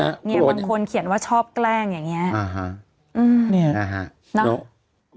บางคนเขียนว่าชอบแกล้งอย่างนี้